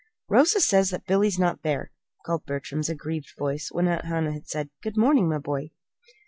"Rosa says that Billy's not there," called Bertram's aggrieved voice, when Aunt Hannah had said, "Good morning, my boy."